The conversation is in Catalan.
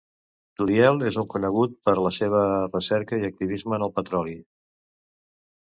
Turiel és un conegut per la seva recerca i activisme en el petroli